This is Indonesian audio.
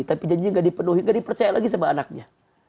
tapi janjinya enggak dipercaya lagi sama anaknya